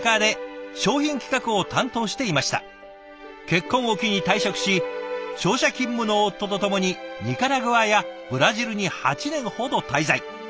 結婚を機に退職し商社勤務の夫と共にニカラグアやブラジルに８年ほど滞在。